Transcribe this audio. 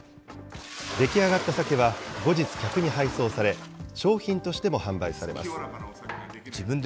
出来上がった酒は後日、客に配送され、商品としても販売されます。